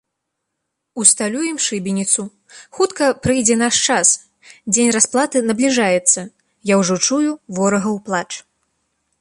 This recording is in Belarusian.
Усталюем шыбеніцу, хутка прыйдзе наш час, дзень расплаты набліжаецца, я ўжо чую ворагаў плач.